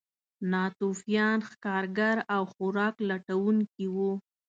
ناتوفیان ښکارګر او خوراک لټونکي وو.